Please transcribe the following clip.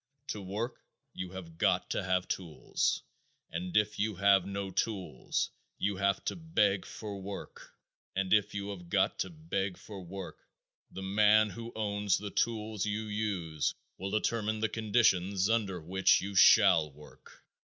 To work you have got to have tools, and if you have no tools you have to beg for work, and if you have got to beg for work the man who owns the tools you use will determine the conditions under which you shall work.